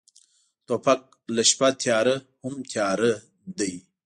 توپک له شپه تیاره هم تیاره دی.